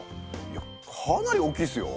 いやかなり大きいですよ。